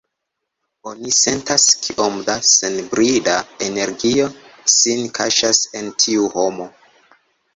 Oni sentas kiom da senbrida energio sin kaŝas en tiu homo.